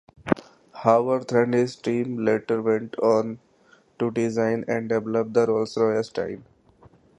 Haworth and his team later went on to design and develop the Rolls-Royce Tyne.